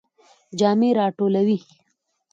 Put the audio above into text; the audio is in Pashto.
جامی را ټولوئ؟